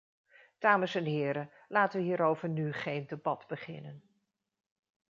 Dames en heren, laten we hierover nu geen debat beginnen.